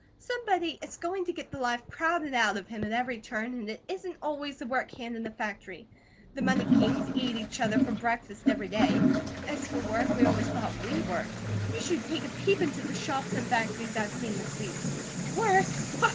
Somebody is going to get the life crowded out of him at every turn, and it isn't always the work hand in the factory. The money kings eat each other for breakfast every day. As for work, we always thought we worked. You should take a peep into the shops and factories I've seen this week. Work?